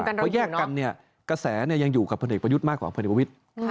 เพราะแยกกันเนี่ยกระแสยังอยู่กับพลเอกประยุทธ์มากกว่าพลเอกประวิทธิ์